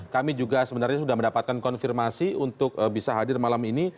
kami juga sebenarnya sudah mendapatkan konfirmasi untuk bisa hadir malam ini